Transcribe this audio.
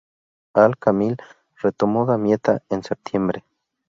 Al-Kamil retomó Damieta en septiembre.